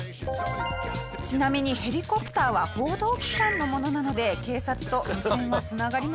ちなみにヘリコプターは報道機関のものなので警察と無線はつながりません。